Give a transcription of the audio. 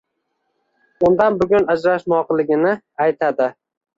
Undan bugun ajrashmoqligini aytadi.